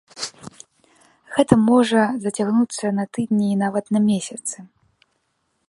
Гэта можа зацягнуцца на тыдні і нават на месяцы.